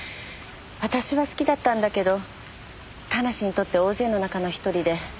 私は好きだったんだけど田無にとっては大勢の中の一人で。